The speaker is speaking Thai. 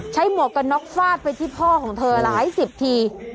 หมวกกันน็อกฟาดไปที่พ่อของเธอหลายสิบที